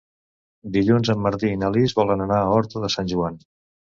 Dilluns en Martí i na Lis volen anar a Horta de Sant Joan.